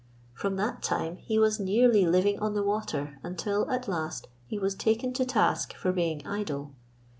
From that time he was nearly living on the water until, at last, he was taken to task for being idle.